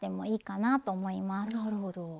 なるほど。